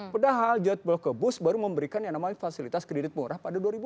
padahal jetblue kebos baru memberikan yang namanya fasilitas kredit murah pada dua ribu empat